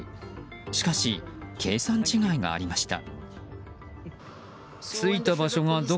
しかし、計算違いがありました。